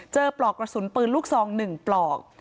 ปลอกกระสุนปืนลูกซอง๑ปลอก